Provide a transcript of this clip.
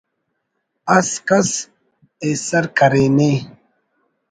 اس کس ایسر کرینے